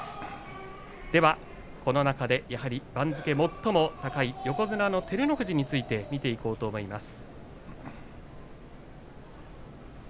この中でやはり番付最も高い横綱の照ノ富士について見ていこうと思います。